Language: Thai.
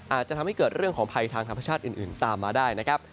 อาจจะทำให้เกิดเรื่องของภัยทางธรรมชาติอื่นตามมาได้นะครับ